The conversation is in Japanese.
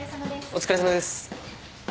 お疲れさまです。